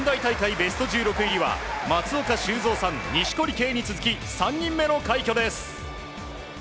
ベスト１６入りは松岡修造さん、錦織圭に続き３人目の快挙です。